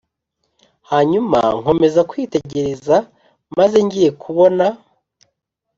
Hanyuma nkomeza kwitegereza maze ngiye kubona